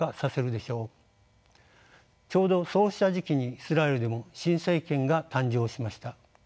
ちょうどそうした時期にイスラエルでも新政権が誕生しました。